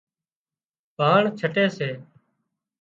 ڀاڻ ڇٽي سي